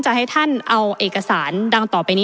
ประเทศอื่นซื้อในราคาประเทศอื่น